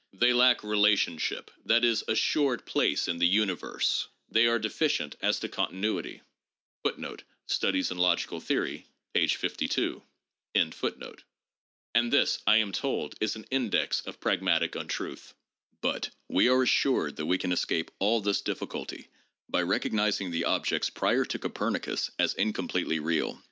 They lack relation ship, that is, assured place in the universe : they are deficient as to continuity." 1 And this, I am told, is an index of pragmatic untruth. But we are assured that we can escape all this difficulty by recognizing the objects prior to Copernicus as incompletely real.